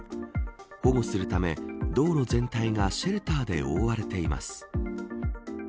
保護するため道路全体がシェルターで覆われています。